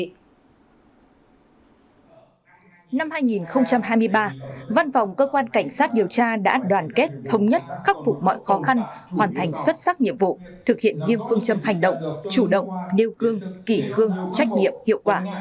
năm hai nghìn hai mươi ba văn phòng cơ quan cảnh sát điều tra đã đoàn kết thống nhất khắc phục mọi khó khăn hoàn thành xuất sắc nhiệm vụ thực hiện nghiêm phương châm hành động chủ động nêu cương kỷ cương trách nhiệm hiệu quả